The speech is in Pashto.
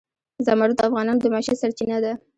زمرد د افغانانو د معیشت سرچینه ده.